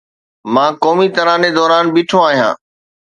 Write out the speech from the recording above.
مان قومي تراني دوران بيٺو آهيان